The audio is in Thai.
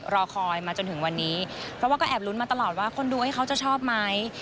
รอคอยมาจนถึงวันนี้เพราะว่าก็แอบลุ้นมาตลอดว่าคนดูให้เขาจะชอบไหม